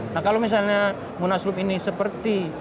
nah kalau misalnya munaslup ini seperti